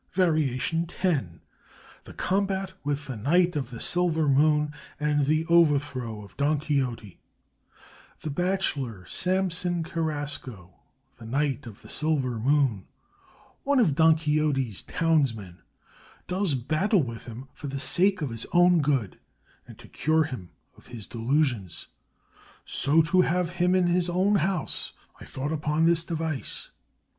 VARIATION X THE COMBAT WITH THE KNIGHT OF THE SILVER MOON, AND THE OVERTHROW OF DON QUIXOTE The bachelor Samson Carrasco, the "Knight of the Silver Moon," one of Don Quixote's townsmen, does battle with him for the sake of his own good and to cure him of his delusions: "so to have him in his own house, I thought upon this device."